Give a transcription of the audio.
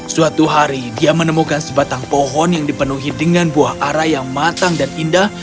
suatu hari dia menemukan sebatang pohon yang dipenuhi dengan buah arah yang matang dan indah